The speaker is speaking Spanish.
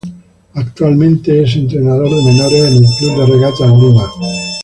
Actualmente es entrenador de menores, en el Club de Regatas Lima.